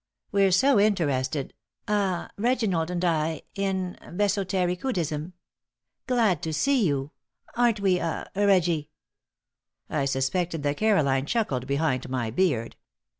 We're so interested ah Reginald and I in Bhesotericuddhism! Glad to see you! Aren't we ah Reggie?" I suspected that Caroline chuckled behind my beard.